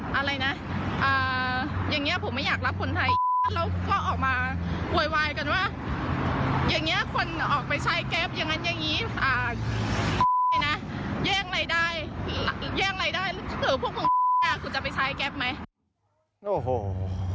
อย่างนี้คนออกไปใช้แก๊บอย่างนั้นอย่างนี้แย่งรายได้ถ้าเกิดพวกมันคุณจะไปใช้แก๊บไหม